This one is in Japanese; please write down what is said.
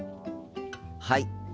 はい。